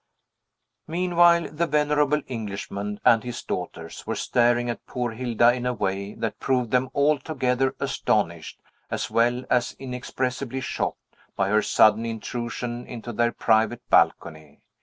Meanwhile, the venerable Englishman and his daughters were staring at poor Hilda in a way that proved them altogether astonished, as well as inexpressibly shocked, by her sudden intrusion into their private balcony.